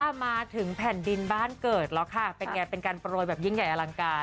มาถึงแผ่นดินบ้านเกิดแล้วค่ะเป็นไงเป็นการโปรยแบบยิ่งใหญ่อลังการ